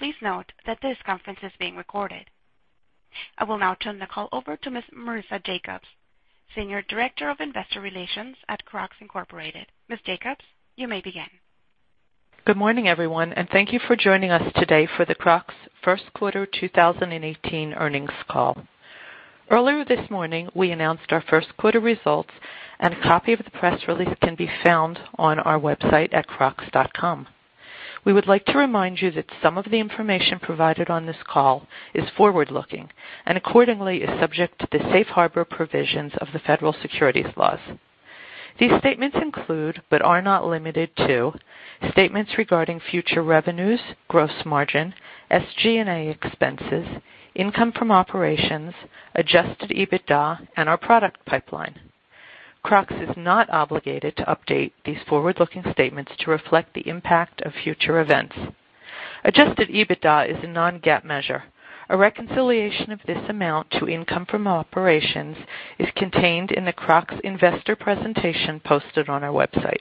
Please note that this conference is being recorded. I will now turn the call over to Ms. Marisa Jacobs, Senior Director of Investor Relations at Crocs, Inc. Ms. Jacobs, you may begin. Good morning, everyone, and thank you for joining us today for the Crocs' first quarter 2018 earnings call. Earlier this morning, we announced our first quarter results, and a copy of the press release can be found on our website at crocs.com. We would like to remind you that some of the information provided on this call is forward-looking and accordingly is subject to the safe harbor provisions of the federal securities laws. These statements include, but are not limited to, statements regarding future revenues, gross margin, SG&A expenses, income from operations, adjusted EBITDA, and our product pipeline. Crocs is not obligated to update these forward-looking statements to reflect the impact of future events. Adjusted EBITDA is a non-GAAP measure. A reconciliation of this amount to income from operations is contained in the Crocs investor presentation posted on our website.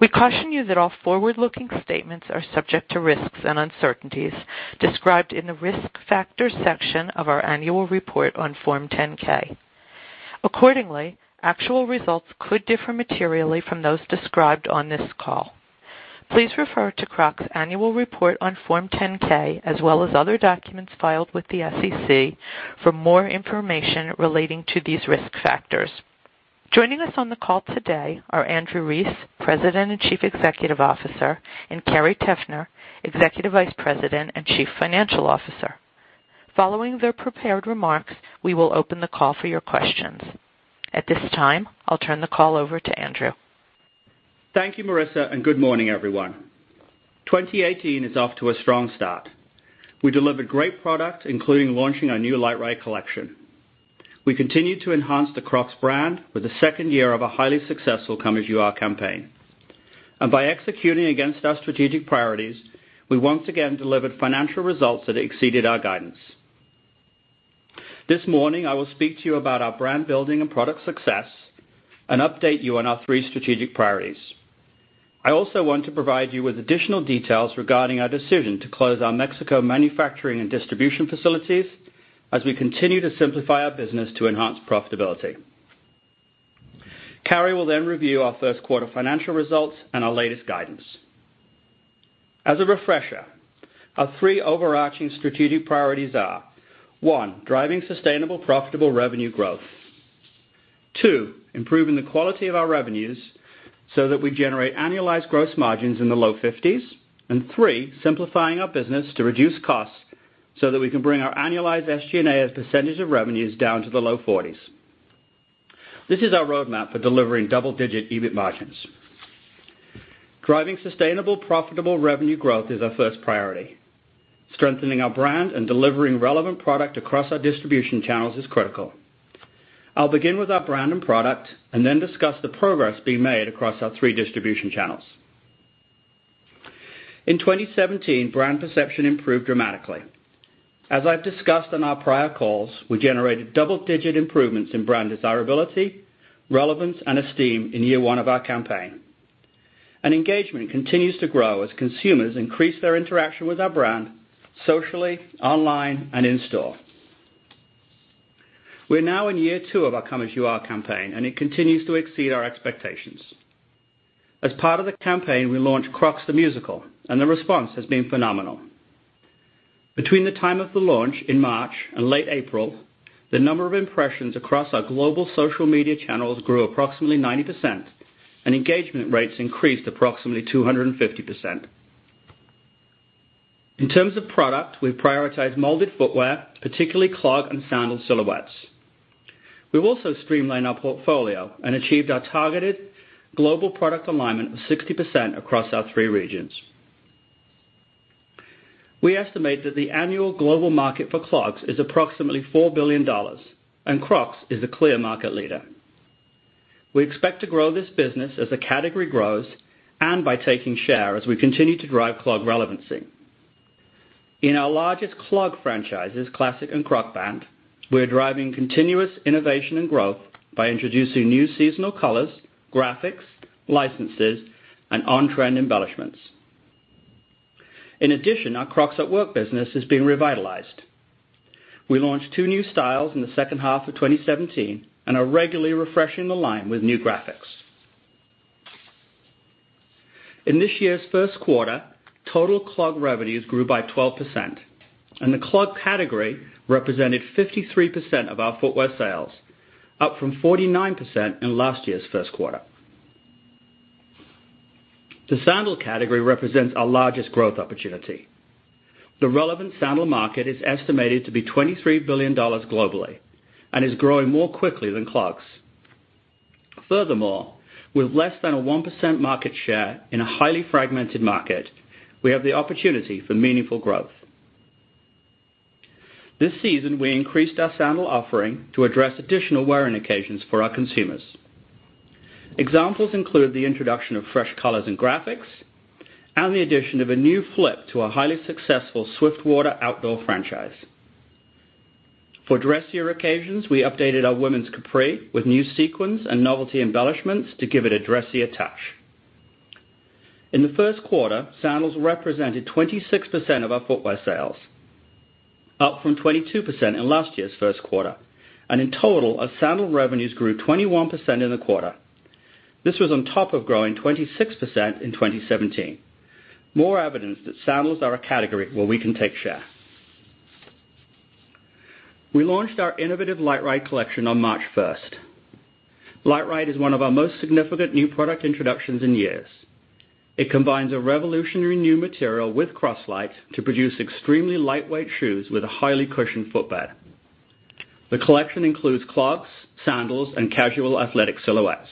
We caution you that all forward-looking statements are subject to risks and uncertainties described in the risk factors section of our annual report on Form 10-K. Accordingly, actual results could differ materially from those described on this call. Please refer to Crocs' annual report on Form 10-K, as well as other documents filed with the SEC for more information relating to these risk factors. Joining us on the call today are Andrew Rees, President and Chief Executive Officer, and Carrie Teffner, Executive Vice President and Chief Financial Officer. Following their prepared remarks, we will open the call for your questions. At this time, I'll turn the call over to Andrew. Thank you, Marisa, and good morning, everyone. 2018 is off to a strong start. We delivered great product, including launching our new LiteRide collection. We continued to enhance the Crocs brand with the second year of a highly successful Come As You Are campaign. By executing against our strategic priorities, we once again delivered financial results that exceeded our guidance. This morning, I will speak to you about our brand building and product success and update you on our three strategic priorities. I also want to provide you with additional details regarding our decision to close our Mexico manufacturing and distribution facilities as we continue to simplify our business to enhance profitability. Carrie will then review our first quarter financial results and our latest guidance. As a refresher, our three overarching strategic priorities are, one, driving sustainable profitable revenue growth. Two, improving the quality of our revenues so that we generate annualized gross margins in the low 50s. Three, simplifying our business to reduce costs so that we can bring our annualized SG&A as a percentage of revenues down to the low 40s. This is our roadmap for delivering double-digit EBIT margins. Driving sustainable profitable revenue growth is our first priority. Strengthening our brand and delivering relevant product across our three distribution channels is critical. I'll begin with our brand and product and then discuss the progress being made across our three distribution channels. In 2017, brand perception improved dramatically. As I've discussed on our prior calls, we generated double-digit improvements in brand desirability, relevance, and esteem in year one of our campaign. Engagement continues to grow as consumers increase their interaction with our brand socially, online, and in-store. We're now in year two of our Come As You Are campaign, and it continues to exceed our expectations. As part of the campaign, we launched Crocs: The Musical, and the response has been phenomenal. Between the time of the launch in March and late April, the number of impressions across our global social media channels grew approximately 90%, and engagement rates increased approximately 250%. In terms of product, we prioritize molded footwear, particularly clog and sandal silhouettes. We've also streamlined our portfolio and achieved our targeted global product alignment of 60% across our three regions. We estimate that the annual global market for clogs is approximately $4 billion, and Crocs is a clear market leader. We expect to grow this business as the category grows and by taking share as we continue to drive clog relevancy. In our largest clog franchises, Classic and Crocband, we're driving continuous innovation and growth by introducing new seasonal colors, graphics, licenses, and on-trend embellishments. In addition, our Crocs at Work business is being revitalized. We launched two new styles in the second half of 2017 and are regularly refreshing the line with new graphics. In this year's first quarter, total clog revenues grew by 12%, and the clog category represented 53% of our footwear sales, up from 49% in last year's first quarter. The sandal category represents our largest growth opportunity. The relevant sandal market is estimated to be $23 billion globally and is growing more quickly than clogs. Furthermore, with less than a 1% market share in a highly fragmented market, we have the opportunity for meaningful growth. This season, we increased our sandal offering to address additional wearing occasions for our consumers. Examples include the introduction of fresh colors and graphics and the addition of a new flip to our highly successful Swiftwater outdoor franchise. For dressier occasions, we updated our women's Capri with new sequins and novelty embellishments to give it a dressier touch. In the first quarter, sandals represented 26% of our footwear sales, up from 22% in last year's first quarter. In total, our sandal revenues grew 21% in the quarter. This was on top of growing 26% in 2017. More evidence that sandals are a category where we can take share. We launched our innovative LiteRide collection on March 1st. LiteRide is one of our most significant new product introductions in years. It combines a revolutionary new material with Croslite to produce extremely lightweight shoes with a highly cushioned footbed. The collection includes clogs, sandals, and casual athletic silhouettes.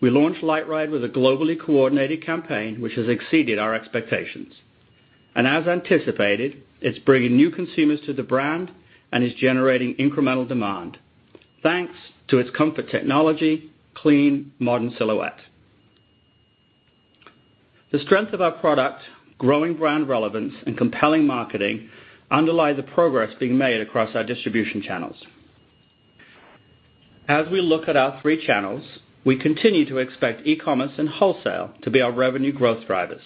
We launched LiteRide with a globally coordinated campaign, which has exceeded our expectations. As anticipated, it's bringing new consumers to the brand and is generating incremental demand, thanks to its comfort technology, clean, modern silhouette. The strength of our product, growing brand relevance, and compelling marketing underlie the progress being made across our distribution channels. As we look at our three channels, we continue to expect e-commerce and wholesale to be our revenue growth drivers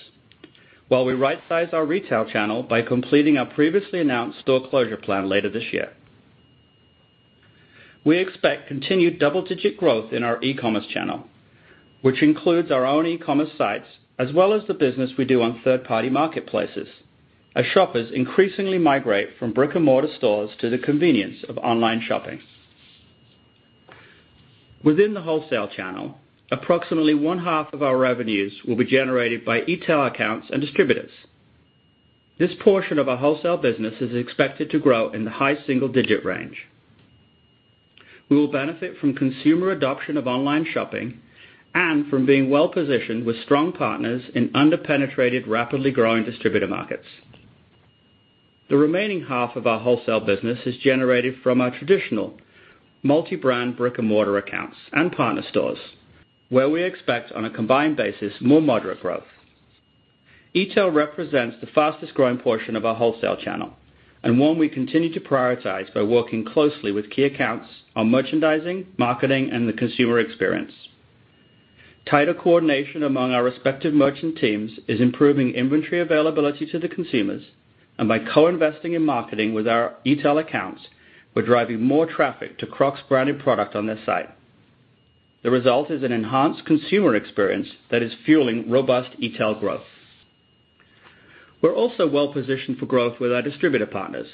while we right-size our retail channel by completing our previously announced store closure plan later this year. We expect continued double-digit growth in our e-commerce channel, which includes our own e-commerce sites, as well as the business we do on third-party marketplaces, as shoppers increasingly migrate from brick-and-mortar stores to the convenience of online shopping. Within the wholesale channel, approximately one-half of our revenues will be generated by e-tail accounts and distributors. This portion of our wholesale business is expected to grow in the high single-digit range. We will benefit from consumer adoption of online shopping and from being well-positioned with strong partners in under-penetrated, rapidly growing distributor markets. The remaining half of our wholesale business is generated from our traditional multi-brand brick-and-mortar accounts and partner stores, where we expect, on a combined basis, more moderate growth. E-tail represents the fastest-growing portion of our wholesale channel and one we continue to prioritize by working closely with key accounts on merchandising, marketing, and the consumer experience. Tighter coordination among our respective merchant teams is improving inventory availability to the consumers, and by co-investing in marketing with our e-tail accounts, we're driving more traffic to Crocs-branded product on their site. The result is an enhanced consumer experience that is fueling robust e-tail growth. We're also well-positioned for growth with our distributor partners.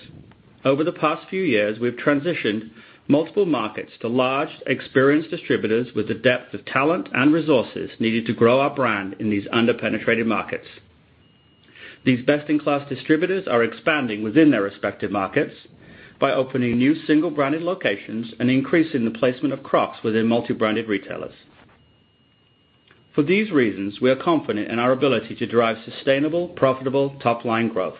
Over the past few years, we've transitioned multiple markets to large, experienced distributors with the depth of talent and resources needed to grow our brand in these under-penetrated markets. These best-in-class distributors are expanding within their respective markets by opening new single-branded locations and increasing the placement of Crocs within multi-branded retailers. For these reasons, we are confident in our ability to drive sustainable, profitable top-line growth.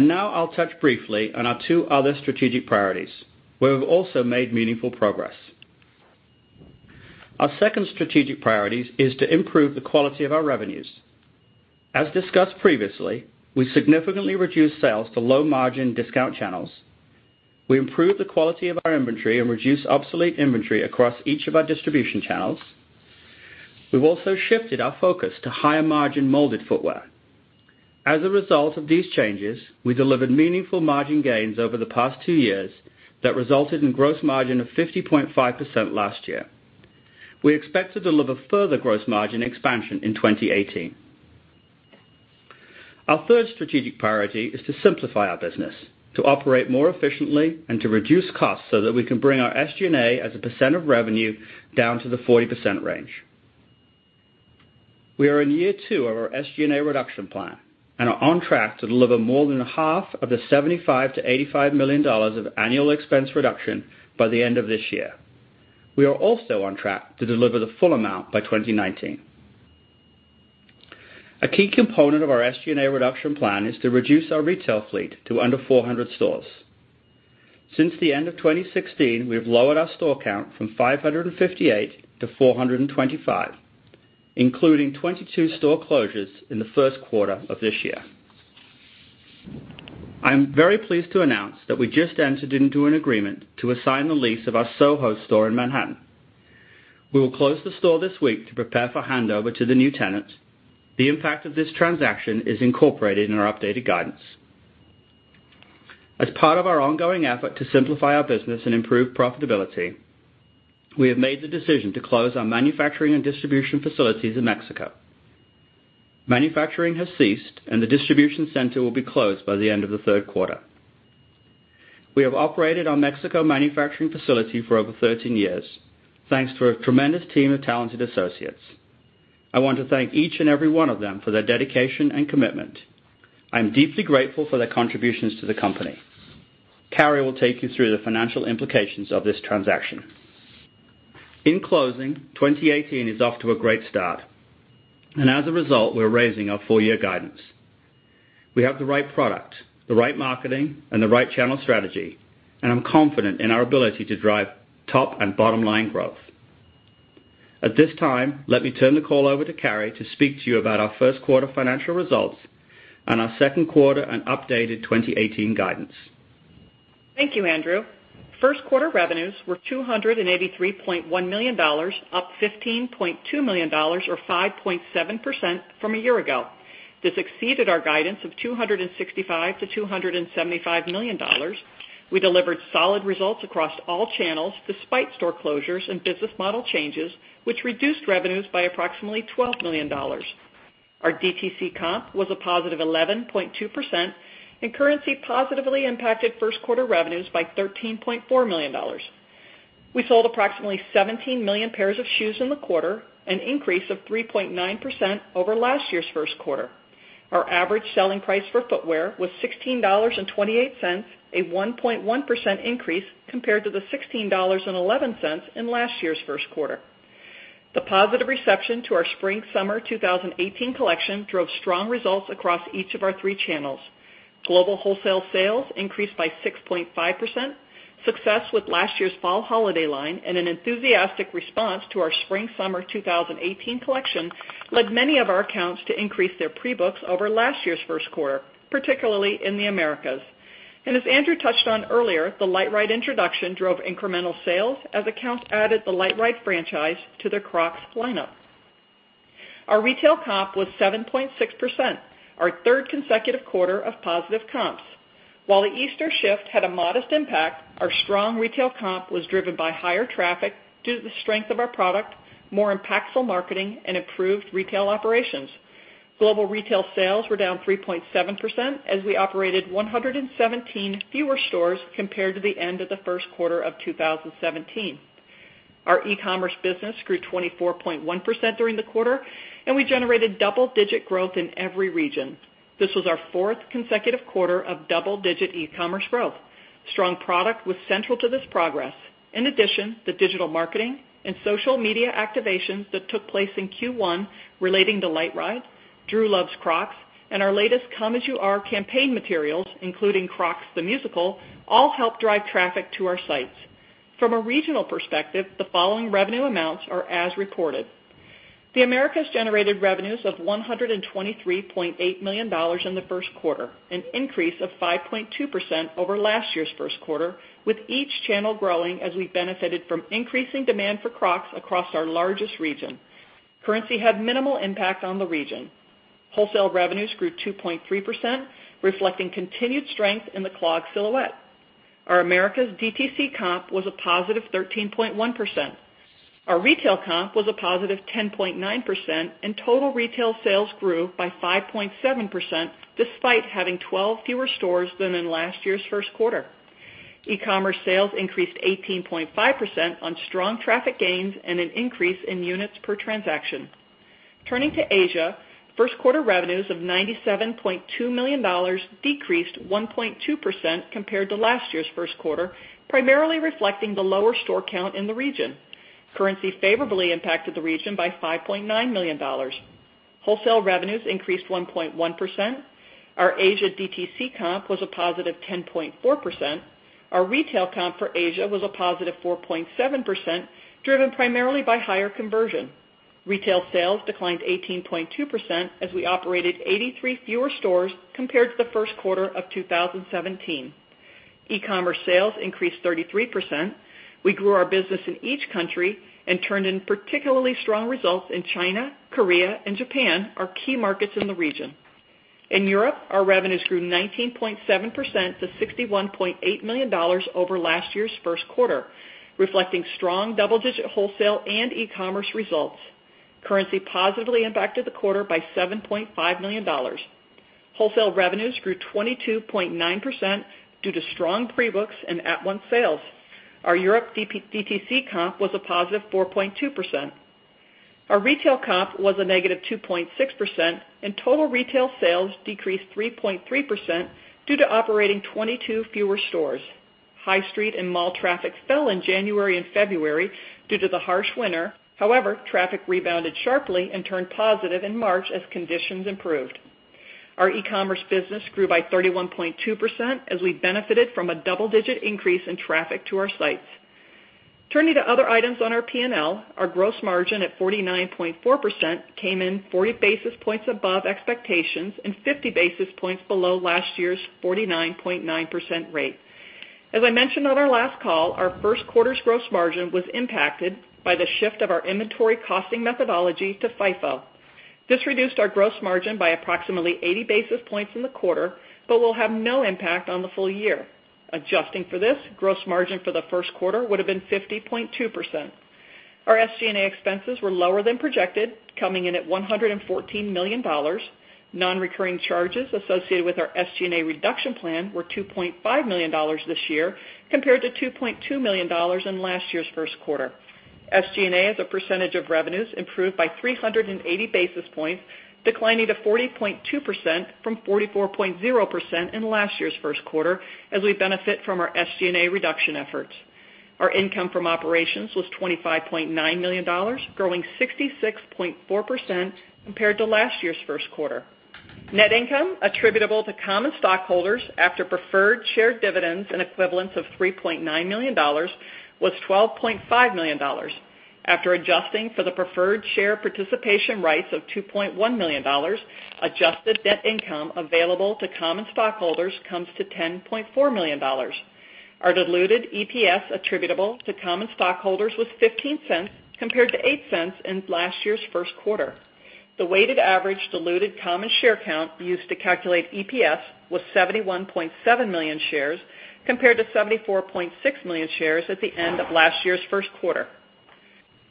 Now I'll touch briefly on our two other strategic priorities, where we've also made meaningful progress. Our second strategic priority is to improve the quality of our revenues. As discussed previously, we significantly reduced sales to low-margin discount channels. We improved the quality of our inventory and reduced obsolete inventory across each of our distribution channels. We've also shifted our focus to higher-margin molded footwear. As a result of these changes, we delivered meaningful margin gains over the past two years that resulted in gross margin of 50.5% last year. We expect to deliver further gross margin expansion in 2018. Our third strategic priority is to simplify our business, to operate more efficiently, and to reduce costs so that we can bring our SG&A as a % of revenue down to the 40% range. We are in year 2 of our SG&A reduction plan and are on track to deliver more than half of the $75 million-$85 million of annual expense reduction by the end of this year. We are also on track to deliver the full amount by 2019. A key component of our SG&A reduction plan is to reduce our retail fleet to under 400 stores. Since the end of 2016, we have lowered our store count from 558 to 425, including 22 store closures in the first quarter of this year. I am very pleased to announce that we just entered into an agreement to assign the lease of our Soho store in Manhattan. We will close the store this week to prepare for handover to the new tenant. The impact of this transaction is incorporated in our updated guidance. As part of our ongoing effort to simplify our business and improve profitability, we have made the decision to close our manufacturing and distribution facilities in Mexico. Manufacturing has ceased, and the distribution center will be closed by the end of the third quarter. We have operated our Mexico manufacturing facility for over 13 years, thanks to a tremendous team of talented associates. I want to thank each and every one of them for their dedication and commitment. I am deeply grateful for their contributions to the company. Carrie will take you through the financial implications of this transaction. In closing, 2018 is off to a great start. As a result, we're raising our full-year guidance. We have the right product, the right marketing, and the right channel strategy, and I'm confident in our ability to drive top and bottom-line growth. At this time, let me turn the call over to Carrie to speak to you about our first quarter financial results and our second quarter and updated 2018 guidance. Thank you, Andrew. First quarter revenues were $283.1 million, up $15.2 million or 5.7% from a year ago. This exceeded our guidance of $265 million to $275 million. We delivered solid results across all channels despite store closures and business model changes, which reduced revenues by approximately $12 million. Our DTC comp was a positive 11.2%, and currency positively impacted first quarter revenues by $13.4 million. We sold approximately 17 million pairs of shoes in the quarter, an increase of 3.9% over last year's first quarter. Our average selling price for footwear was $16.28, a 1.1% increase compared to the $16.11 in last year's first quarter. The positive reception to our Spring/Summer 2018 collection drove strong results across each of our three channels. Global wholesale sales increased by 6.5%, success with last year's Fall holiday line, and an enthusiastic response to our Spring/Summer 2018 collection led many of our accounts to increase their pre-books over last year's first quarter, particularly in the Americas. As Andrew touched on earlier, the LiteRide introduction drove incremental sales as accounts added the LiteRide franchise to their Crocs lineup. Our retail comp was 7.6%, our third consecutive quarter of positive comps. While the Easter shift had a modest impact, our strong retail comp was driven by higher traffic due to the strength of our product, more impactful marketing, and improved retail operations. Global retail sales were down 3.7% as we operated 117 fewer stores compared to the end of the first quarter of 2017. Our e-commerce business grew 24.1% during the quarter, and we generated double-digit growth in every region. This was our fourth consecutive quarter of double-digit e-commerce growth. Strong product was central to this progress. In addition, the digital marketing and social media activations that took place in Q1 relating to LiteRide, Drew Loves Crocs, and our latest Come As You Are campaign materials, including Crocs: The Musical, all helped drive traffic to our sites. From a regional perspective, the following revenue amounts are as reported. The Americas generated revenues of $123.8 million in the first quarter, an increase of 5.2% over last year's first quarter, with each channel growing as we benefited from increasing demand for Crocs across our largest region. Currency had minimal impact on the region. Wholesale revenues grew 2.3%, reflecting continued strength in the clog silhouette. Our Americas DTC comp was a positive 13.1%. Our retail comp was a positive 10.9%, and total retail sales grew by 5.7%, despite having 12 fewer stores than in last year's first quarter. E-commerce sales increased 18.5% on strong traffic gains and an increase in units per transaction. Turning to Asia, first quarter revenues of $97.2 million decreased 1.2% compared to last year's first quarter, primarily reflecting the lower store count in the region. Currency favorably impacted the region by $5.9 million. Wholesale revenues increased 1.1%. Our Asia DTC comp was a positive 10.4%. Our retail comp for Asia was a positive 4.7%, driven primarily by higher conversion. Retail sales declined 18.2% as we operated 83 fewer stores compared to the first quarter of 2017. E-commerce sales increased 33%. We grew our business in each country and turned in particularly strong results in China, Korea, and Japan, our key markets in the region. In Europe, our revenues grew 19.7% to $61.8 million over last year's first quarter, reflecting strong double-digit wholesale and e-commerce results. Currency positively impacted the quarter by $7.5 million. Wholesale revenues grew 22.9% due to strong pre-books and at-once sales. Our Europe DTC comp was a positive 4.2%. Our retail comp was a negative 2.6%, and total retail sales decreased 3.3% due to operating 22 fewer stores. High street and mall traffic fell in January and February due to the harsh winter. However, traffic rebounded sharply and turned positive in March as conditions improved. Our e-commerce business grew by 31.2% as we benefited from a double-digit increase in traffic to our sites. Turning to other items on our P&L, our gross margin at 49.4% came in 40 basis points above expectations and 50 basis points below last year's 49.9% rate. As I mentioned on our last call, our first quarter's gross margin was impacted by the shift of our inventory costing methodology to FIFO. This reduced our gross margin by approximately 80 basis points in the quarter but will have no impact on the full year. Adjusting for this, gross margin for the first quarter would have been 50.2%. Our SG&A expenses were lower than projected, coming in at $114 million. Non-recurring charges associated with our SG&A reduction plan were $2.5 million this year compared to $2.2 million in last year's first quarter. SG&A, as a percentage of revenues, improved by 380 basis points, declining to 40.2% from 44.0% in last year's first quarter as we benefit from our SG&A reduction efforts. Our income from operations was $25.9 million, growing 66.4% compared to last year's first quarter. Net income attributable to common stockholders after preferred share dividends and equivalence of $3.9 million was $12.5 million. After adjusting for the preferred share participation rights of $2.1 million, adjusted net income available to common stockholders comes to $10.4 million. Our diluted EPS attributable to common stockholders was $0.15 compared to $0.08 in last year's first quarter. The weighted average diluted common share count used to calculate EPS was 71.7 million shares compared to 74.6 million shares at the end of last year's first quarter.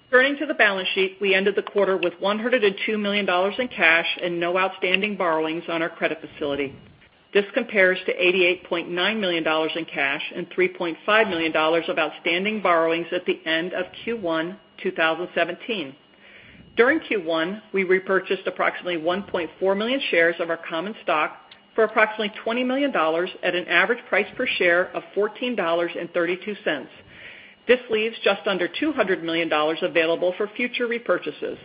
Turning to the balance sheet, we ended the quarter with $102 million in cash and no outstanding borrowings on our credit facility. This compares to $88.9 million in cash and $3.5 million of outstanding borrowings at the end of Q1 2017. During Q1, we repurchased approximately 1.4 million shares of our common stock for approximately $20 million at an average price per share of $14.32. This leaves just under $200 million available for future repurchases.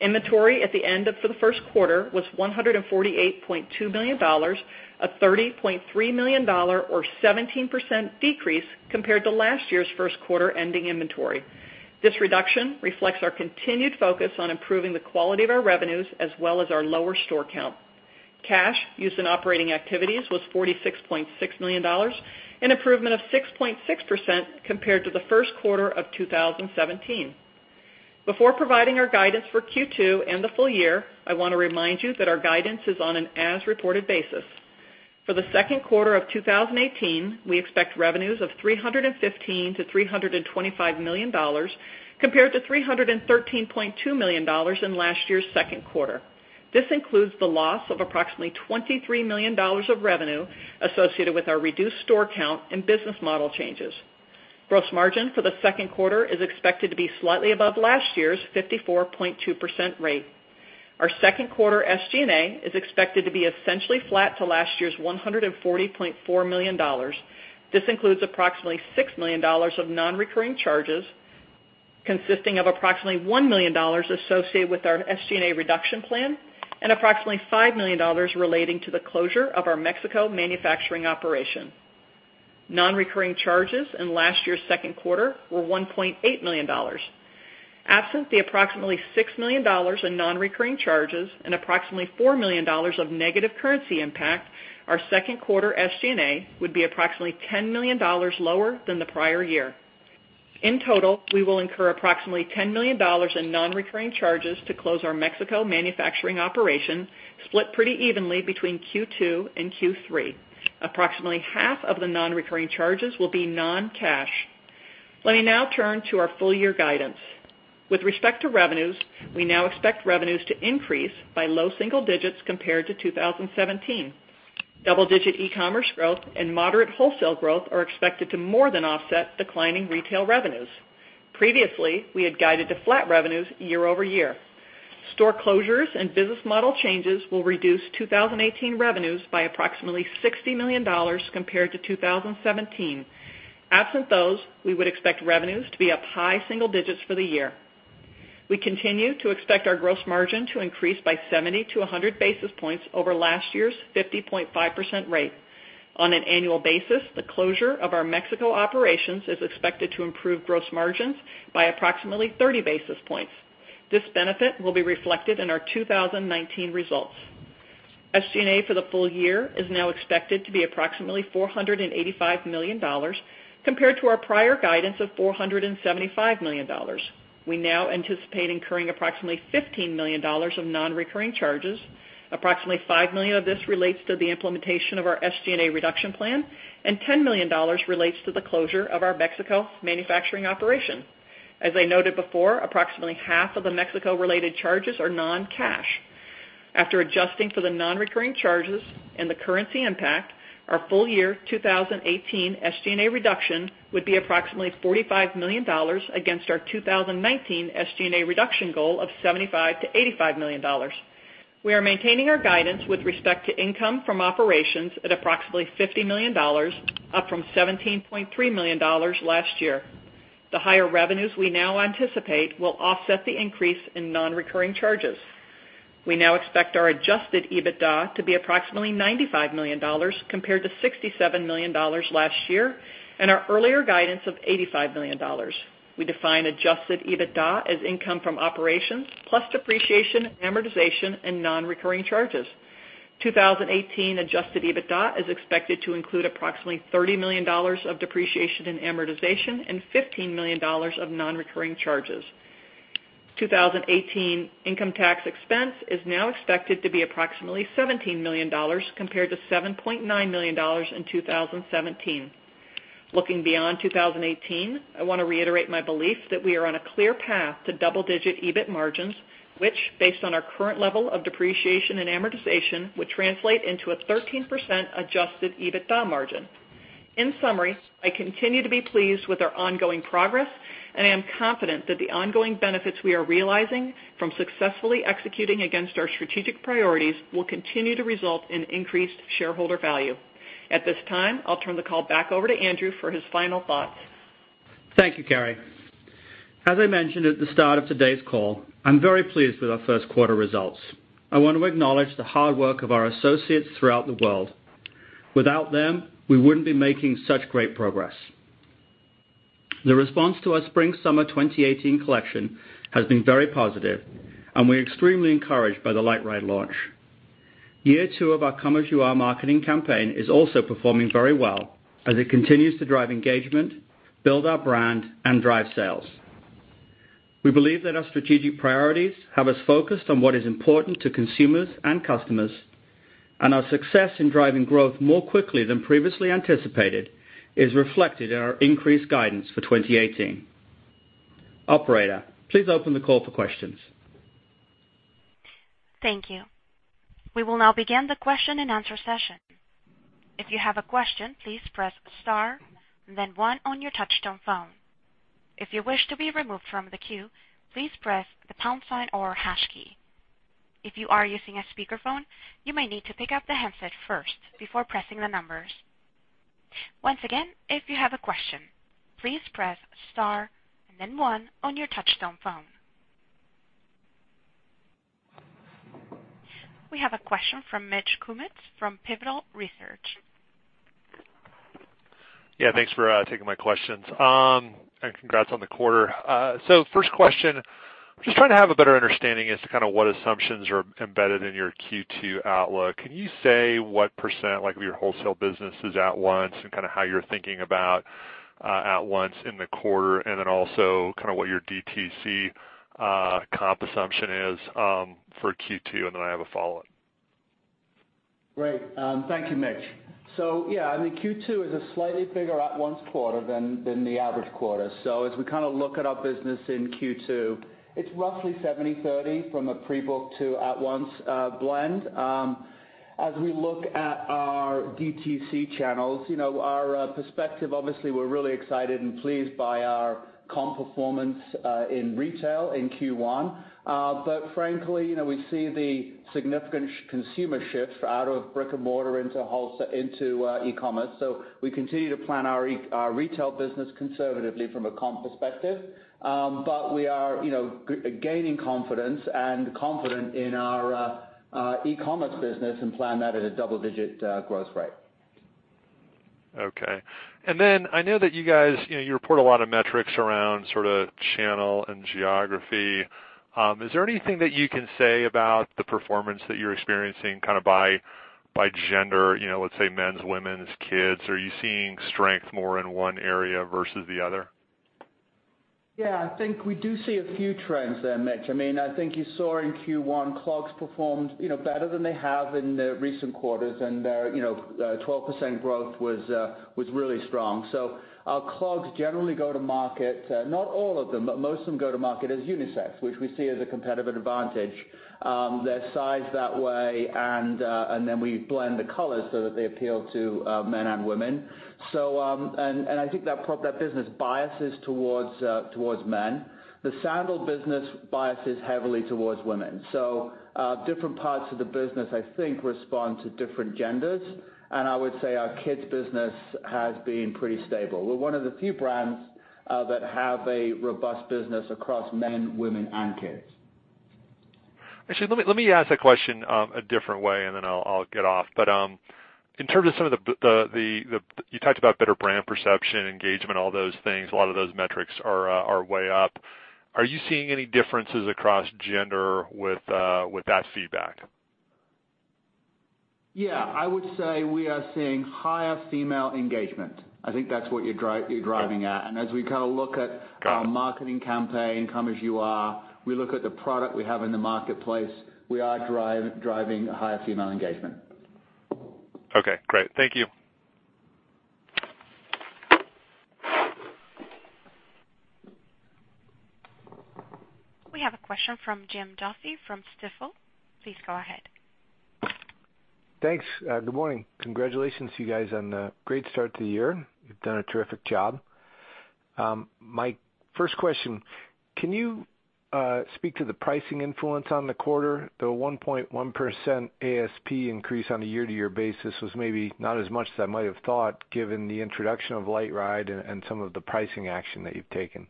Inventory at the end of the first quarter was $148.2 million, a $30.3 million or 17% decrease compared to last year's first quarter ending inventory. This reduction reflects our continued focus on improving the quality of our revenues as well as our lower store count. Cash used in operating activities was $46.6 million, an improvement of 6.6% compared to the first quarter of 2017. Before providing our guidance for Q2 and the full year, I want to remind you that our guidance is on an as-reported basis. For the second quarter of 2018, we expect revenues of $315 million-$325 million compared to $313.2 million in last year's second quarter. This includes the loss of approximately $23 million of revenue associated with our reduced store count and business model changes. Gross margin for the second quarter is expected to be slightly above last year's 54.2% rate. Our second quarter SG&A is expected to be essentially flat to last year's $140.4 million. This includes approximately $6 million of non-recurring charges consisting of approximately $1 million associated with our SG&A reduction plan and approximately $5 million relating to the closure of our Mexico manufacturing operation. Non-recurring charges in last year's second quarter were $1.8 million. Absent the approximately $6 million in non-recurring charges and approximately $4 million of negative currency impact, our second quarter SG&A would be approximately $10 million lower than the prior year. In total, we will incur approximately $10 million in non-recurring charges to close our Mexico manufacturing operation, split pretty evenly between Q2 and Q3. Approximately half of the non-recurring charges will be non-cash. Let me now turn to our full-year guidance. With respect to revenues, we now expect revenues to increase by low single digits compared to 2017. Double-digit e-commerce growth and moderate wholesale growth are expected to more than offset declining retail revenues. Previously, we had guided to flat revenues year-over-year. Store closures and business model changes will reduce 2018 revenues by approximately $60 million compared to 2017. Absent those, we would expect revenues to be up high single digits for the year. We continue to expect our gross margin to increase by 70-100 basis points over last year's 50.5% rate. On an annual basis, the closure of our Mexico operations is expected to improve gross margins by approximately 30 basis points. This benefit will be reflected in our 2019 results. SG&A for the full year is now expected to be approximately $485 million compared to our prior guidance of $475 million. We now anticipate incurring approximately $15 million of non-recurring charges. Approximately $5 million of this relates to the implementation of our SG&A reduction plan, and $10 million relates to the closure of our Mexico manufacturing operation. As I noted before, approximately half of the Mexico-related charges are non-cash. After adjusting for the non-recurring charges and the currency impact, our full-year 2018 SG&A reduction would be approximately $45 million against our 2019 SG&A reduction goal of $75 million-$85 million. We are maintaining our guidance with respect to income from operations at approximately $50 million, up from $17.3 million last year. The higher revenues we now anticipate will offset the increase in non-recurring charges. We now expect our adjusted EBITDA to be approximately $95 million compared to $67 million last year and our earlier guidance of $85 million. We define adjusted EBITDA as income from operations plus depreciation, amortization, and non-recurring charges. 2018 adjusted EBITDA is expected to include approximately $30 million of depreciation and amortization and $15 million of non-recurring charges. 2018 income tax expense is now expected to be approximately $17 million compared to $7.9 million in 2017. Looking beyond 2018, I want to reiterate my belief that we are on a clear path to double-digit EBIT margins, which based on our current level of depreciation and amortization, would translate into a 13% adjusted EBITDA margin. In summary, I continue to be pleased with our ongoing progress. I am confident that the ongoing benefits we are realizing from successfully executing against our strategic priorities will continue to result in increased shareholder value. At this time, I'll turn the call back over to Andrew for his final thoughts. Thank you, Carrie. As I mentioned at the start of today's call, I'm very pleased with our first quarter results. I want to acknowledge the hard work of our associates throughout the world. Without them, we wouldn't be making such great progress. The response to our Spring/Summer 2018 collection has been very positive. We're extremely encouraged by the LiteRide launch. Year two of our Come As You Are marketing campaign is also performing very well, as it continues to drive engagement, build our brand, and drive sales. We believe that our strategic priorities have us focused on what is important to consumers and customers. Our success in driving growth more quickly than previously anticipated is reflected in our increased guidance for 2018. Operator, please open the call for questions. Thank you. We will now begin the question and answer session. If you have a question, please press star and then one on your touchtone phone. If you wish to be removed from the queue, please press the pound sign or hash key. If you are using a speakerphone, you may need to pick up the handset first before pressing the numbers. Once again, if you have a question, please press star and then one on your touchtone phone. We have a question from Mitch Kummetz from Pivotal Research Group. Thanks for taking my questions. Congrats on the quarter. First question, I'm just trying to have a better understanding as to kind of what assumptions are embedded in your Q2 outlook. Can you say what % of your wholesale business is at once, and kind of how you're thinking about at once in the quarter, what your DTC comp assumption is for Q2? Then I have a follow-up. Great. Thank you, Mitch Kummetz. Q2 is a slightly bigger at-once quarter than the average quarter. As we kind of look at our business in Q2, it's roughly 70/30 from a pre-book to at-once blend. As we look at our DTC channels, our perspective, obviously, we're really excited and pleased by our comp performance in retail in Q1. Frankly, we see the significant consumer shift out of brick-and-mortar into e-commerce. We continue to plan our retail business conservatively from a comp perspective. We are gaining confidence and confident in our e-commerce business and plan that at a double-digit growth rate. Okay. I know that you guys report a lot of metrics around channel and geography. Is there anything that you can say about the performance that you're experiencing by gender, let's say men's, women's, kids? Are you seeing strength more in one area versus the other? I think we do see a few trends there, Mitch. I think you saw in Q1, clogs performed better than they have in the recent quarters, and their 12% growth was really strong. Our clogs generally go to market, not all of them, but most of them go to market as unisex, which we see as a competitive advantage. They're sized that way, and then we blend the colors so that they appeal to men and women. I think that business biases towards men. The sandal business biases heavily towards women. Different parts of the business, I think, respond to different genders. I would say our kids business has been pretty stable. We're one of the few brands that have a robust business across men, women, and kids. Actually, let me ask that question a different way. Then I'll get off. In terms of You talked about better brand perception, engagement, all those things. A lot of those metrics are way up. Are you seeing any differences across gender with that feedback? Yeah. I would say we are seeing higher female engagement. I think that's what you're driving at. Got it our marketing campaign, Come As You Are, we look at the product we have in the marketplace, we are driving higher female engagement. Okay, great. Thank you. We have a question from Jim Duffy from Stifel. Please go ahead. Thanks. Good morning. Congratulations to you guys on the great start to the year. You've done a terrific job. My first question, can you speak to the pricing influence on the quarter? The 1.1% ASP increase on a year-to-year basis was maybe not as much as I might have thought, given the introduction of LiteRide and some of the pricing action that you've taken.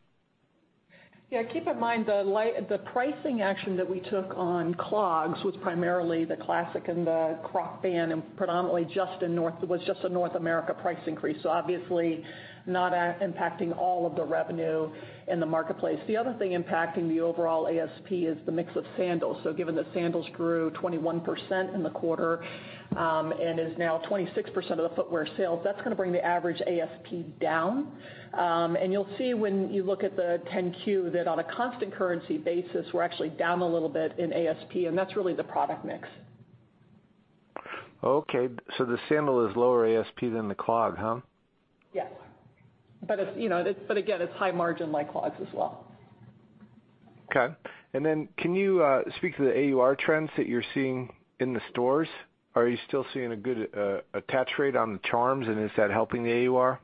Keep in mind, the pricing action that we took on clogs was primarily the Classic and the Crocband, and predominantly was just a North America price increase. Obviously not impacting all of the revenue in the marketplace. The other thing impacting the overall ASP is the mix of sandals. Given that sandals grew 21% in the quarter, and is now 26% of the footwear sales, that's going to bring the average ASP down. You'll see when you look at the 10-Q, that on a constant currency basis, we're actually down a little bit in ASP, and that's really the product mix. Okay. The sandal is lower ASP than the clog, huh? Yes. Again, it's high margin like clogs as well. Okay. Then can you speak to the AUR trends that you're seeing in the stores? Are you still seeing a good attach rate on the charms, and is that helping the AUR?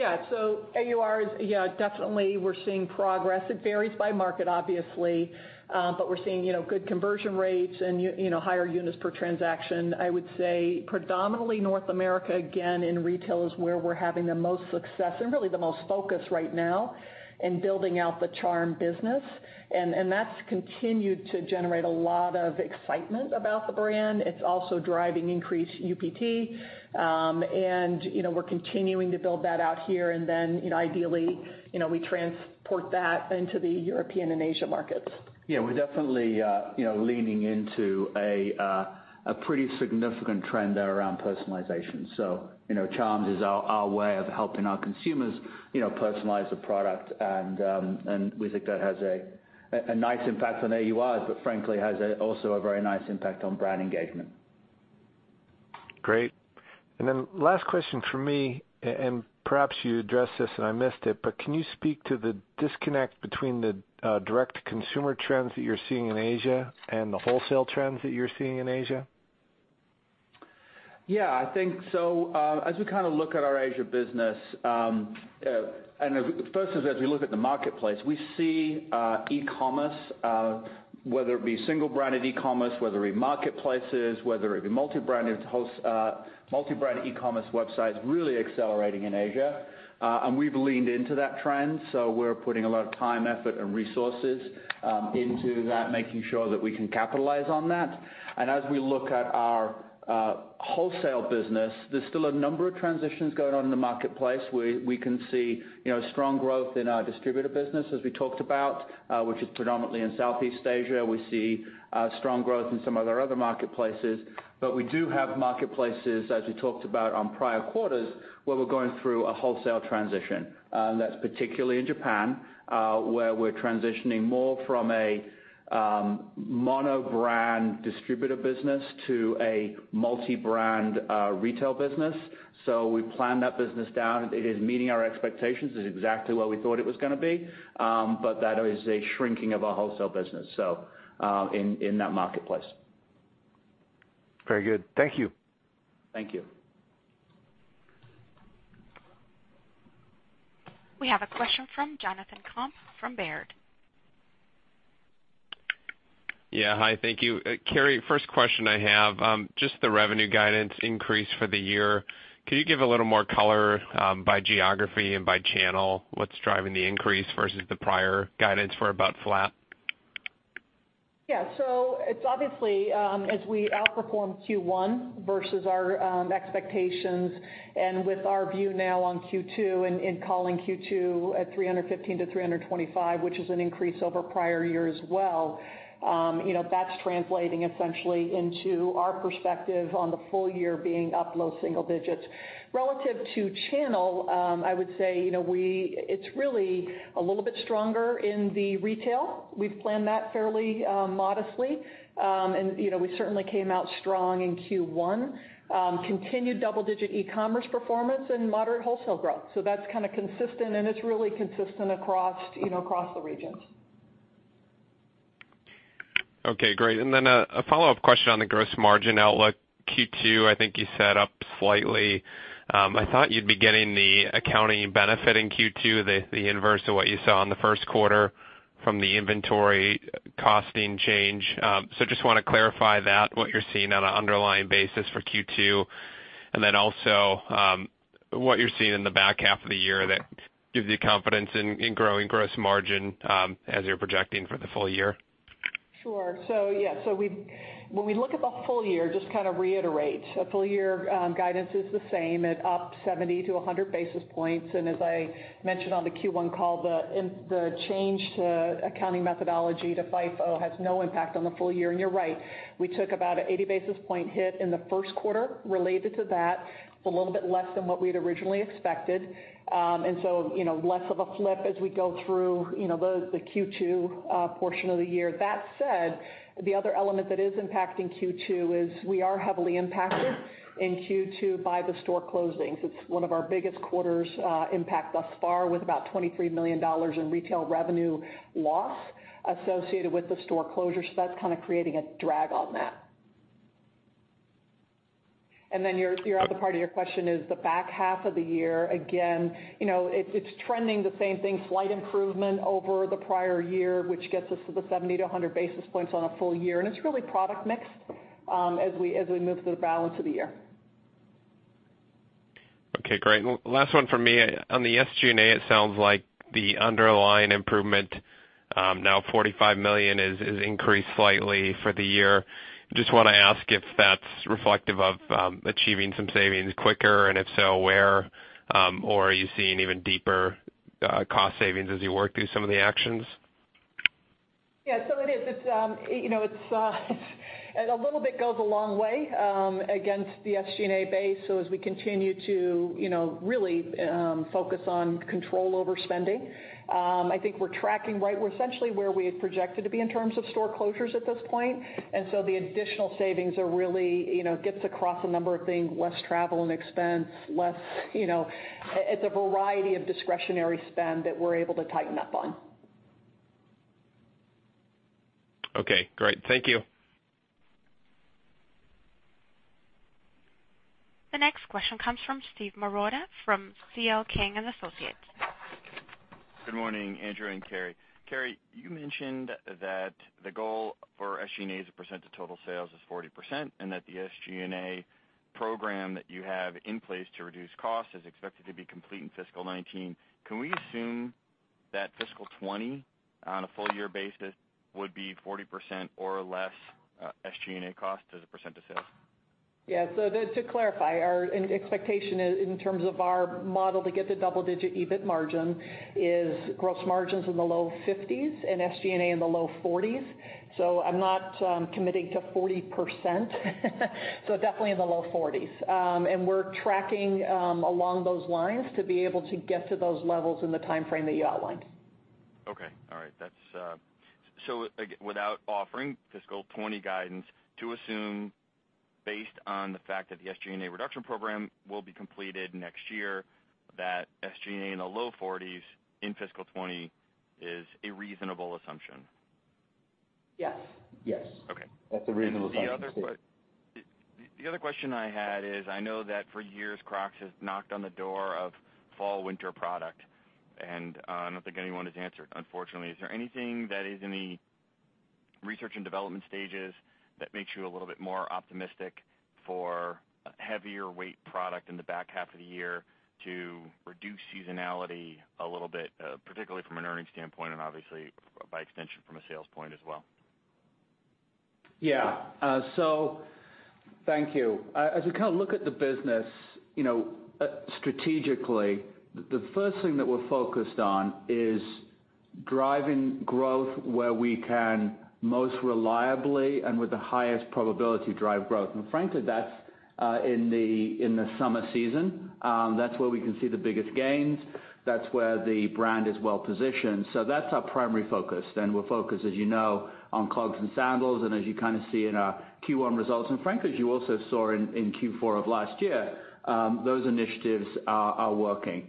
AUR is, definitely we're seeing progress. It varies by market, obviously. We're seeing good conversion rates and higher units per transaction. I would say predominantly North America, again, in retail is where we're having the most success and really the most focus right now in building out the charm business. That's continued to generate a lot of excitement about the brand. It's also driving increased UPT. We're continuing to build that out here, and then ideally, we transport that into the European and Asia markets. Yeah. We're definitely leaning into a pretty significant trend there around personalization. Charms is our way of helping our consumers personalize a product, and we think that has a nice impact on AURs, but frankly, has also a very nice impact on brand engagement. Great. Last question from me, and perhaps you addressed this and I missed it, but can you speak to the disconnect between the direct-to-consumer trends that you're seeing in Asia and the wholesale trends that you're seeing in Asia? Yeah. As we look at our Asia business, first is as we look at the marketplace. We see e-commerce, whether it be single-branded e-commerce, whether it be marketplaces, whether it be multi-branded e-commerce websites, really accelerating in Asia. We've leaned into that trend. We're putting a lot of time, effort, and resources into that, making sure that we can capitalize on that. As we look at our wholesale business, there's still a number of transitions going on in the marketplace. We can see strong growth in our distributor business as we talked about, which is predominantly in Southeast Asia. We see strong growth in some of our other marketplaces. We do have marketplaces, as we talked about on prior quarters, where we're going through a wholesale transition. That's particularly in Japan, where we're transitioning more from a mono-brand distributor business to a multi-brand retail business. We planned that business down. It is meeting our expectations. It's exactly where we thought it was going to be. That is a shrinking of our wholesale business in that marketplace. Very good. Thank you. Thank you. We have a question from Jonathan Komp from Baird. Hi, thank you. Carrie, first question I have, just the revenue guidance increase for the year. Can you give a little more color by geography and by channel what's driving the increase versus the prior guidance for about flat? It's obviously, as we outperformed Q1 versus our expectations and with our view now on Q2 and calling Q2 at $315 million-$325 million, which is an increase over prior year as well. That's translating essentially into our perspective on the full year being up low single digits. Relative to channel, I would say it's really a little bit stronger in the retail. We've planned that fairly modestly. We certainly came out strong in Q1. Continued double-digit e-commerce performance and moderate wholesale growth. That's consistent, and it's really consistent across the regions. Okay, great. Then a follow-up question on the gross margin outlook. Q2, I think you said up slightly. I thought you'd be getting the accounting benefit in Q2, the inverse of what you saw in the first quarter from the inventory costing change. Just want to clarify that, what you're seeing on an underlying basis for Q2, and then also what you're seeing in the back half of the year that gives you confidence in growing gross margin as you're projecting for the full year. Sure. When we look at the full year, just to reiterate. Full year guidance is the same at up 70-100 basis points. As I mentioned on the Q1 call, the change to accounting methodology to FIFO has no impact on the full year. You're right. We took about an 80 basis point hit in the first quarter related to that. It's a little bit less than what we had originally expected. Less of a flip as we go through the Q2 portion of the year. That said, the other element that is impacting Q2 is we are heavily impacted in Q2 by the store closings. It's one of our biggest quarters impact thus far, with about $23 million in retail revenue loss associated with the store closures. That's creating a drag on that. Your other part of your question is the back half of the year. Again, it's trending the same thing, slight improvement over the prior year, which gets us to the 70-100 basis points on a full year. It's really product mix as we move through the balance of the year. Okay, great. Last one from me. On the SG&A, it sounds like the underlying improvement, now $45 million, is increased slightly for the year. Just want to ask if that's reflective of achieving some savings quicker, and if so, where? Or are you seeing even deeper cost savings as you work through some of the actions? Yeah, it is. A little bit goes a long way against the SG&A base. As we continue to really focus on control over spending, I think we're tracking right. We're essentially where we had projected to be in terms of store closures at this point. The additional savings really gets across a number of things, less travel and expense. It's a variety of discretionary spend that we're able to tighten up on. Okay, great. Thank you. The next question comes from Steve Marotta from C.L. King & Associates. Good morning, Andrew and Carrie. Carrie, you mentioned that the goal for SG&A as a percent of total sales is 40%, and that the SG&A program that you have in place to reduce costs is expected to be complete in fiscal 2019. Can we assume that fiscal 2020, on a full year basis, would be 40% or less SG&A cost as a percent of sales? Yeah. To clarify, our expectation in terms of our model to get the double-digit EBIT margin is gross margins in the low 50s and SG&A in the low 40s. I'm not committing to 40%. Definitely in the low 40s. We're tracking along those lines to be able to get to those levels in the timeframe that you outlined. Okay. All right. Without offering fiscal 2020 guidance, to assume based on the fact that the SG&A reduction program will be completed next year, that SG&A in the low 40s in fiscal 2020 is a reasonable assumption. Yes. Yes. Okay. That's a reasonable assumption, Steve. The other question I had is, I know that for years Crocs has knocked on the door of fall/winter product, and I don't think anyone has answered, unfortunately. Is there anything that is in the research and development stages that makes you a little bit more optimistic for a heavier weight product in the back half of the year to reduce seasonality a little bit, particularly from an earnings standpoint, and obviously by extension, from a sales point as well? Thank you. We look at the business strategically, the first thing that we're focused on is driving growth where we can most reliably and with the highest probability drive growth. Frankly, that's in the summer season. That's where we can see the biggest gains. That's where the brand is well-positioned. That's our primary focus. We're focused, as you know, on clogs and sandals, and as you see in our Q1 results. Frankly, as you also saw in Q4 of last year, those initiatives are working.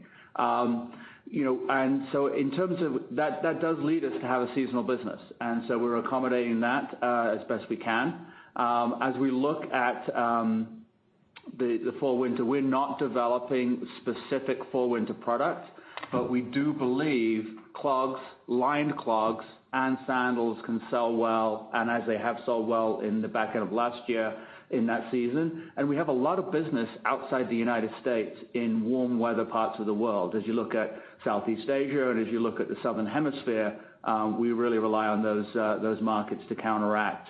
That does lead us to have a seasonal business. We're accommodating that as best we can. We look at the fall/winter, we're not developing specific fall/winter products, but we do believe clogs, lined clogs, and sandals can sell well, and as they have sold well in the back end of last year in that season. We have a lot of business outside the U.S. in warm weather parts of the world. You look at Southeast Asia, and as you look at the southern hemisphere, we really rely on those markets to counteract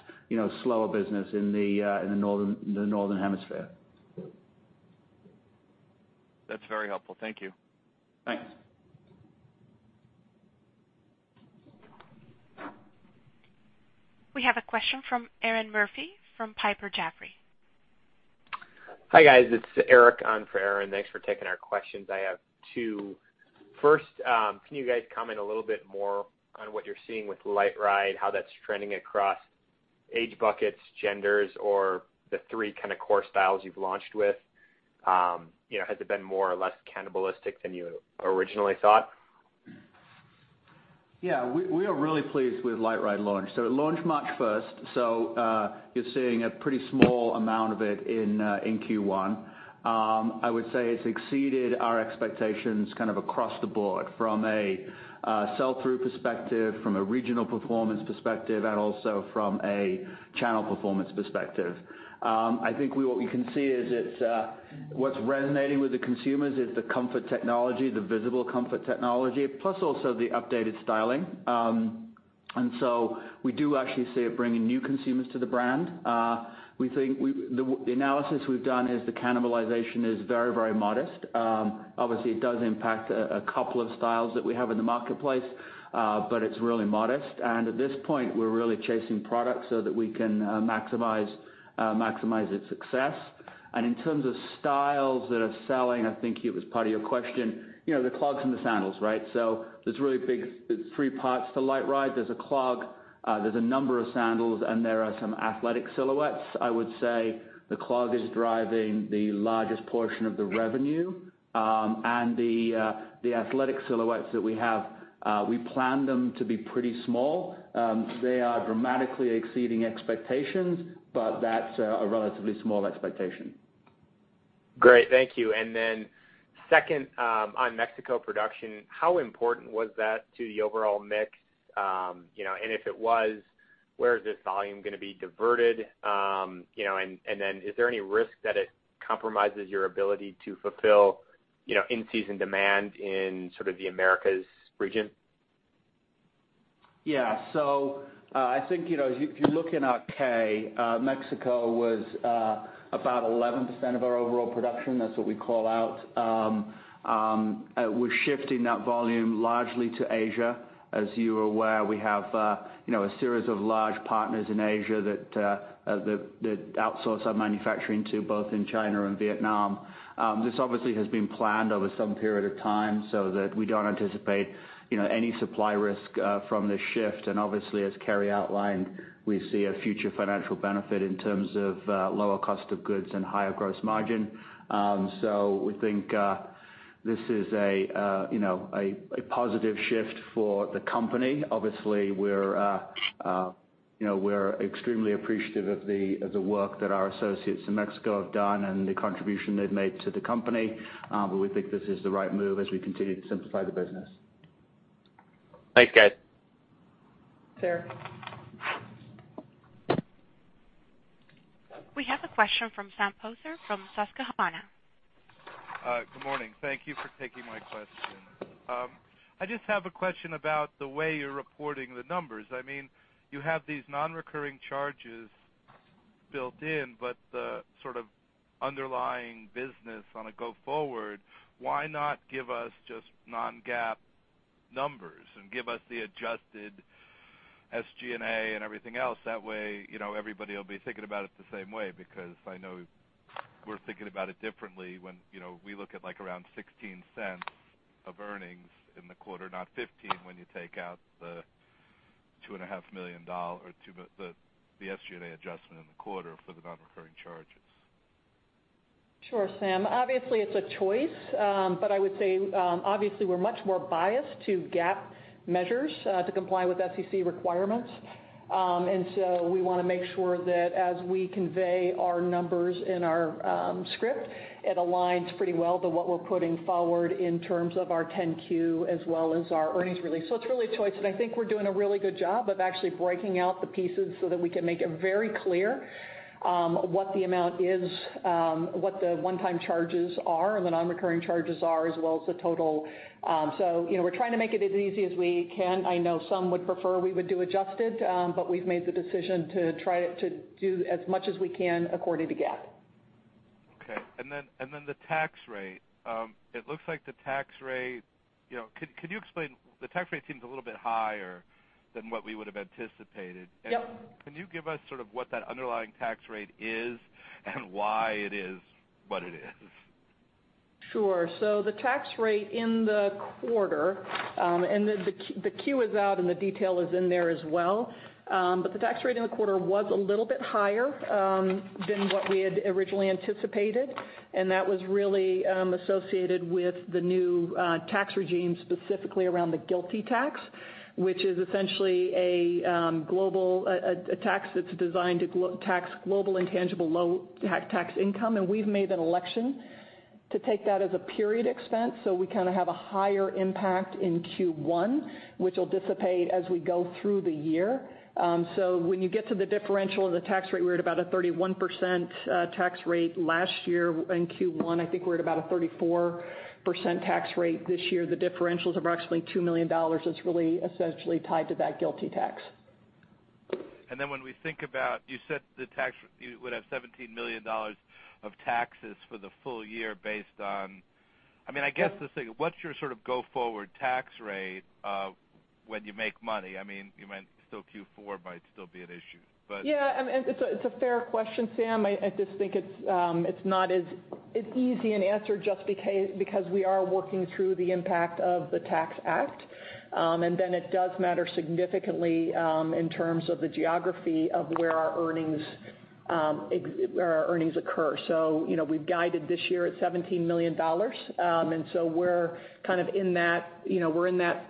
slower business in the northern hemisphere. That's very helpful. Thank you. Thanks. We have a question from Erinn Murphy from Piper Jaffray. Hi, guys. It's Eric on for Erinn. Thanks for taking our questions. I have two. First, can you guys comment a little bit more on what you're seeing with LiteRide, how that's trending across age buckets, genders, or the three kind of core styles you've launched with? Has it been more or less cannibalistic than you originally thought? Yeah. We are really pleased with LiteRide launch. It launched March 1st, so you're seeing a pretty small amount of it in Q1. I would say it's exceeded our expectations across the board from a sell-through perspective, from a regional performance perspective, and also from a channel performance perspective. I think what we can see is what's resonating with the consumers is the comfort technology, the visible comfort technology, plus also the updated styling. We do actually see it bringing new consumers to the brand. The analysis we've done is the cannibalization is very modest. Obviously, it does impact a couple of styles that we have in the marketplace, but it's really modest. At this point, we're really chasing product so that we can maximize its success. In terms of styles that are selling, I think it was part of your question, the clogs and the sandals, right? There's really big three parts to LiteRide. There's a clog, there's a number of sandals, and there are some athletic silhouettes. I would say the clog is driving the largest portion of the revenue. The athletic silhouettes that we have, we planned them to be pretty small. They are dramatically exceeding expectations, but that's a relatively small expectation. Great. Thank you. Second, on Mexico production, how important was that to the overall mix? If it was, where is this volume going to be diverted? Is there any risk that it compromises your ability to fulfill in-season demand in sort of the Americas region? I think, if you look in our K, Mexico was about 11% of our overall production. That's what we call out. We're shifting that volume largely to Asia. As you are aware, we have a series of large partners in Asia that outsource our manufacturing to both in China and Vietnam. This obviously has been planned over some period of time so that we don't anticipate any supply risk from this shift. Obviously, as Carrie outlined, we see a future financial benefit in terms of lower cost of goods and higher gross margin. We think this is a positive shift for the company. Obviously, We're extremely appreciative of the work that our associates in Mexico have done and the contribution they've made to the company. We think this is the right move as we continue to simplify the business. Thanks, guys. Operator. We have a question from Sam Poser from Susquehanna. Good morning. Thank you for taking my question. I just have a question about the way you're reporting the numbers. You have these non-recurring charges built in, the sort of underlying business on a go forward, why not give us just non-GAAP numbers and give us the adjusted SG&A and everything else? That way, everybody will be thinking about it the same way. I know we're thinking about it differently when we look at around $0.16 of earnings in the quarter, not $0.15 when you take out the SG&A adjustment in the quarter for the non-recurring charges. Sure, Sam. Obviously, it's a choice. I would say, obviously, we're much more biased to GAAP measures to comply with SEC requirements. We want to make sure that as we convey our numbers in our script, it aligns pretty well to what we're putting forward in terms of our 10-Q as well as our earnings release. It's really a choice, and I think we're doing a really good job of actually breaking out the pieces so that we can make it very clear what the amount is, what the one-time charges are, and the non-recurring charges are, as well as the total. We're trying to make it as easy as we can. I know some would prefer we would do adjusted, we've made the decision to try to do as much as we can according to GAAP. Okay. The tax rate seems a little bit higher than what we would have anticipated. Yep. Can you give us sort of what that underlying tax rate is and why it is what it is? Sure. The tax rate in the quarter, the Q is out, the detail is in there as well. The tax rate in the quarter was a little bit higher than what we had originally anticipated, that was really associated with the new tax regime, specifically around the GILTI tax, which is essentially a tax that's designed to tax global intangible low tax income. We've made an election to take that as a period expense, we kind of have a higher impact in Q1, which will dissipate as we go through the year. When you get to the differential of the tax rate, we were at about a 31% tax rate last year in Q1. I think we're at about a 34% tax rate this year. The differential is approximately $2 million. It's really essentially tied to that GILTI tax. When we think about, you said you would have $17 million of taxes for the full year, what's your sort of go forward tax rate when you make money? You meant still Q4 might still be an issue. Yeah, it's a fair question, Sam. I just think it's not as easy an answer just because we are working through the impact of the Tax Act. It does matter significantly in terms of the geography of where our earnings occur. We've guided this year at $17 million. We're kind of in that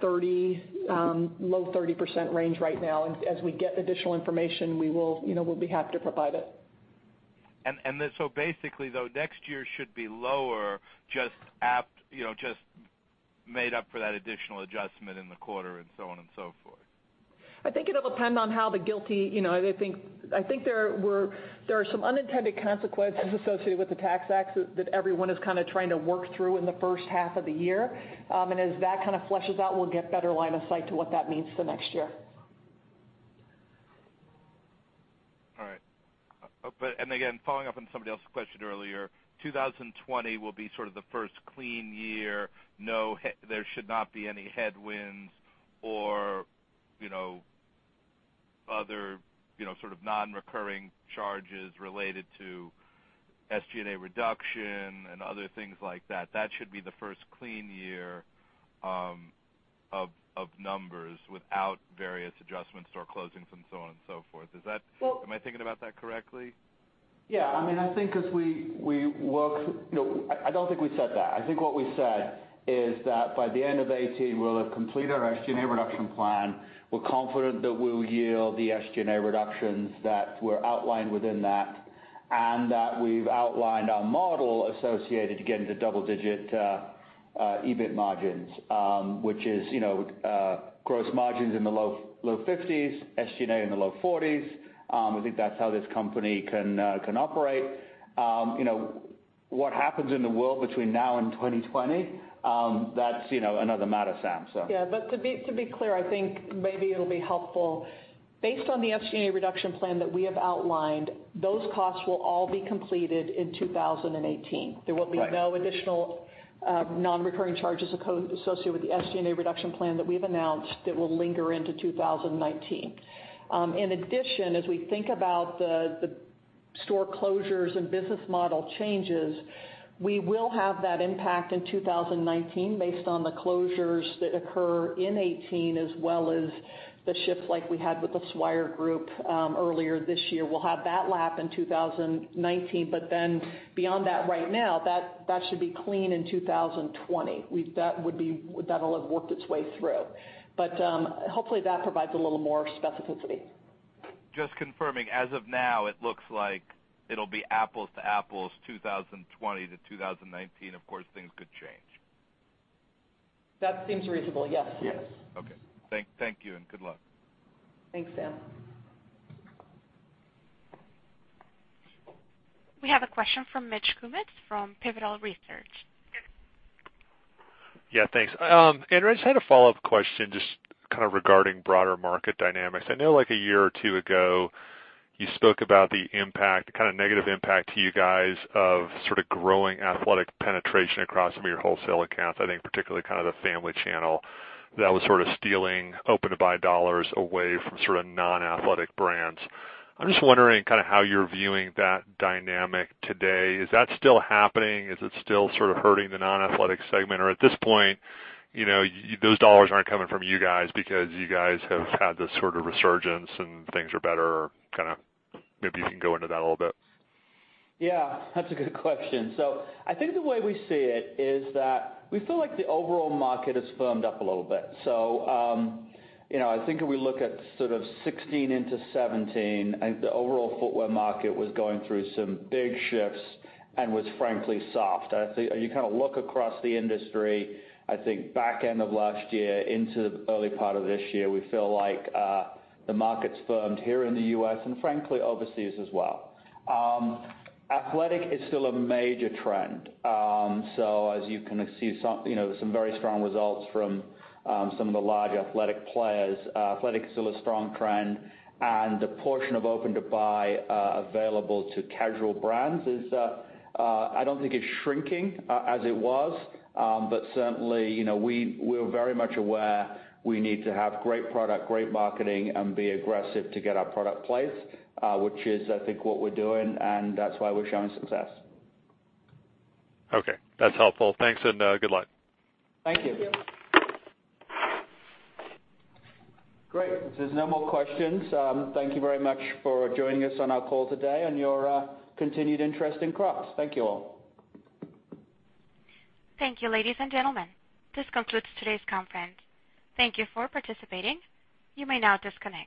30, low 30% range right now. As we get additional information, we'll be happy to provide it. Basically, though, next year should be lower, just made up for that additional adjustment in the quarter and so on and so forth. I think there are some unintended consequences associated with the Tax Act that everyone is kind of trying to work through in the first half of the year. As that kind of fleshes out, we'll get better line of sight to what that means for next year. All right. Again, following up on somebody else's question earlier, 2020 will be sort of the first clean year. There should not be any headwinds or other sort of non-recurring charges related to SG&A reduction and other things like that. That should be the first clean year of numbers without various adjustments or closings and so on and so forth. Am I thinking about that correctly? Yeah. I don't think we said that. I think what we said is that by the end of 2018, we'll have completed our SG&A reduction plan. We're confident that we'll yield the SG&A reductions that were outlined within that, and that we've outlined our model associated to get into double-digit EBIT margins, which is gross margins in the low 50s, SG&A in the low 40s. I think that's how this company can operate. What happens in the world between now and 2020, that's another matter, Sam. Yeah, to be clear, I think maybe it'll be helpful. Based on the SG&A reduction plan that we have outlined, those costs will all be completed in 2018. Right. There will be no additional non-recurring charges associated with the SG&A reduction plan that we've announced that will linger into 2019. In addition, as we think about the store closures and business model changes, we will have that impact in 2019 based on the closures that occur in 2018 as well as the shift like we had with the Swire Group earlier this year. We'll have that lap in 2019, beyond that right now, that should be clean in 2020. That'll have worked its way through. Hopefully, that provides a little more specificity. Just confirming, as of now, it looks like it'll be apples to apples 2020 to 2019. Of course, things could change. That seems reasonable, yes. Yes. Okay. Thank you, and good luck. Thanks, Sam. We have a question from Mitch Kummetz from Pivotal Research. Yeah, thanks. Andrew, I just had a follow-up question, just kind of regarding broader market dynamics. I know a year or two ago, you spoke about the negative impact to you guys of sort of growing athletic penetration across some of your wholesale accounts, I think particularly the family channel that was sort of stealing open-to-buy dollars away from non-athletic brands. I'm just wondering how you're viewing that dynamic today. Is that still happening? Is it still sort of hurting the non-athletic segment? At this point, those dollars aren't coming from you guys because you guys have had this sort of resurgence and things are better, or maybe you can go into that a little bit. Yeah, that's a good question. I think the way we see it is that we feel like the overall market has firmed up a little bit. I think if we look at sort of 2016 into 2017, I think the overall footwear market was going through some big shifts and was frankly soft. I think you kind of look across the industry, I think back end of last year into the early part of this year, we feel like the market's firmed here in the U.S. and frankly, overseas as well. Athletic is still a major trend. As you can see some very strong results from some of the large athletic players. Athletic is still a strong trend, and the portion of open to buy available to casual brands is, I don't think it's shrinking as it was. Certainly, we're very much aware we need to have great product, great marketing, and be aggressive to get our product placed, which is, I think, what we're doing, and that's why we're showing success. Okay, that's helpful. Thanks and good luck. Thank you. Thank you. Great. If there's no more questions. Thank you very much for joining us on our call today and your continued interest in Crocs. Thank you all. Thank you, ladies and gentlemen. This concludes today's conference. Thank you for participating. You may now disconnect.